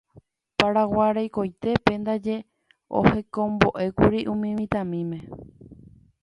Paraguái rekoitépe ndaje ohekombo'ékuri umi mitãmíme.